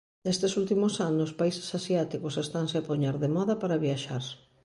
Nestes últimos anos, países asiáticos estanse a poñer de moda para viaxar.